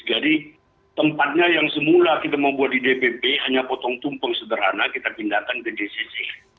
jadi tempatnya yang semula kita mau buat di dpp hanya potong tumpeng sederhana kita pindahkan ke jcc